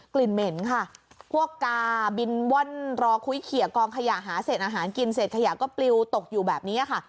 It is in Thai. เหม็นค่ะพวกกาบินว่อนรอคุ้ยเขียกองขยะหาเศษอาหารกินเสร็จขยะก็ปลิวตกอยู่แบบนี้ค่ะ